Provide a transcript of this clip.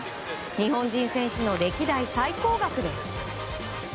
日本人選手の歴代最高額です。